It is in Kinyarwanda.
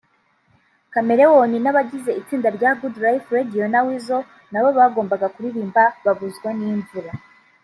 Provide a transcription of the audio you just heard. Chameleone n’abagize itsinda rya Good Life [Radio na Weasel] na bo bagombaga kuririmba babuzwa n’imvura